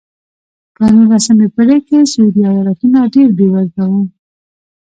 په نولسمې پېړۍ کې سوېلي ایالتونه ډېر بېوزله وو.